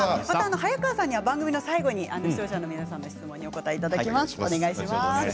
早川さんには番組の最後で視聴者の皆さんからの質問に答えていただきます。